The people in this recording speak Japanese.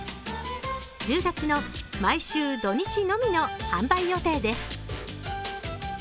１０月の毎週土日のみの販売予定です。